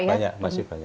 iya masih banyak